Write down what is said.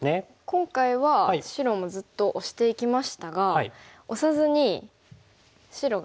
今回は白もずっとオシていきましたがオサずに白が。